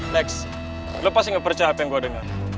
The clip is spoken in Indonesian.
next lo pasti ngepercaya apa yang gue dengar